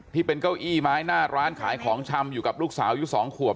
ที่เป็นเก้าอี้ไม้หน้าร้านขายของชำอยู่กับลูกสาวอยู่๒ขวบ